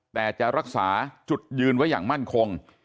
แต่จะรักษาจุดยืนไว้อย่างมั่นคง